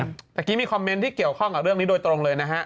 เมื่อกี้มีคอมเมนต์ที่เกี่ยวข้องกับเรื่องนี้โดยตรงเลยนะฮะ